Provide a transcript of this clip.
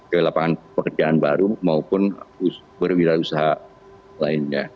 ke lapangan pekerjaan baru maupun berwirausaha lainnya